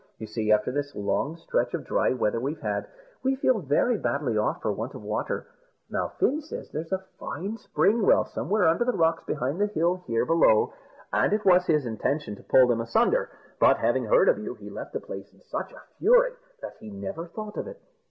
You see, after this long stretch of dry weather we've had, we feel very badly off for want of water. Now, Fin says there's a fine spring well somewhere under the rocks behind the hill here below, and it was his intention to pull them asunder; but having heard of you, he left the place in such a fury, that he never thought of it.